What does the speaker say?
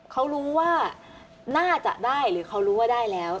เขารู้ว่าน่าจะได้หรือเขารู้ว่าได้แล้ว